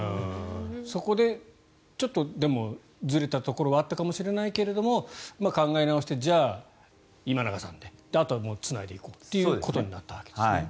そこでちょっとずれたところはあったかもしれないけど考え直してじゃあ今永さんであとはつないでいこうっていうことになったと。